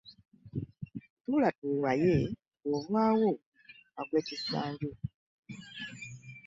Tuula tuwaye bw'ovaawo akwetissa nju.